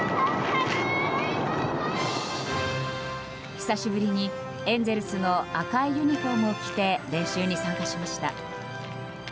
久しぶりにエンゼルスの赤いユニホームを着て練習に参加しました。